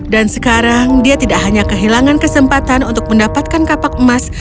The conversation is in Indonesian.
dan sekarang dia tidak hanya kehilangan kesempatan untuk mendapatkan kapak emas